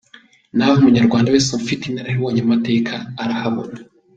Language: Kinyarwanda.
Naho umunyarwanda wese ufite inararibonye mu mateka arahabona!